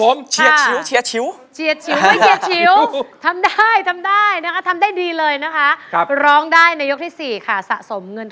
ร้องได้ให้ร้างร้องได้ให้ร้าง